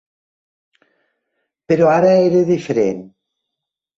Però ara era diferent.